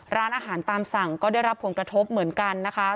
ร้านอาหารตามสั่งก็ได้รับผลกระทบเหมือนกันนะคะ